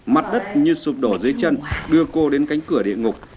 mặt đất như sụp đổ dưới chân đưa cô đến cánh cửa địa ngục